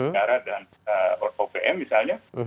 negara dan opm misalnya